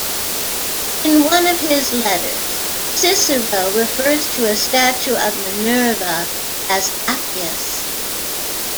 In one of his letters, Cicero refers to a statue of Minerva as "Appias".